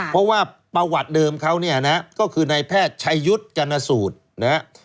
เพราะว่าประวัติเดิมเขาเนี่ยนะก็คือนายแพทย์ชัยยุทธ์จันสูตรนะฮะ